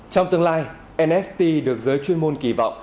trong tương lai nft được giới chuyên môn kỳ vọng